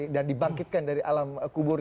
dan dibangkitkan dari alam kubur